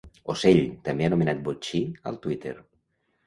Ocell, també anomenat botxí, al Twitter.